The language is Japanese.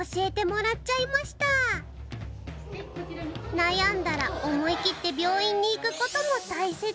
悩んだら思い切って病院に行くことも大切。